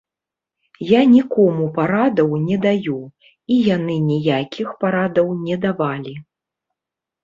Я нікому парадаў не даю, і яны ніякіх парадаў не давалі.